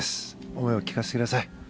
思いを聞かせてください。